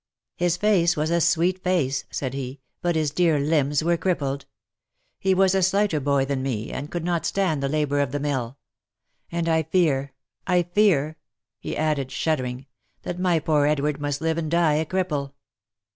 " His face was a sweet face," said he, a but his dear limbs were crippled. He was a slighter boy than me, and could not stand the labour of the mill ; and I fear — I fear," he added, shuddering, " that my poor Edward must live and die a cripple."